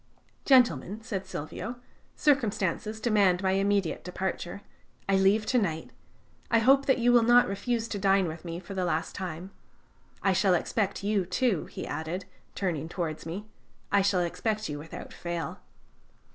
"Gentlemen," said Silvio, "circumstances demand my immediate departure; I leave to night. I hope that you will not refuse to dine with me for the last time. I shall expect you, too," he added, turning towards me. "I shall expect you without fail."